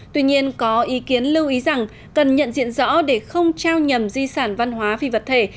tuy nhiên có ý kiến lưu ý rằng cần nhận diện rõ để không trao nhầm di sản văn hóa phi vật thể